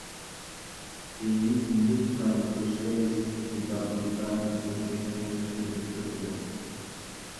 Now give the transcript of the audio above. তিনি Hindustan Socialist Republican অ্যাসোসিয়েশনের সাথে যুক্ত ছিলেন।